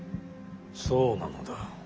そうなのだ。